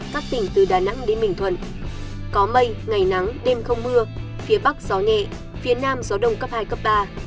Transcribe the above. các tỉnh từ đà nẵng đến bình thuận có mây ngày nắng đêm không mưa phía bắc gió nhẹ phía nam gió đông cấp hai cấp ba